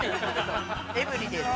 ◆エブリデイです。